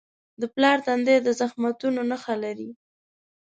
د پلار تندی د زحمتونو نښه لري.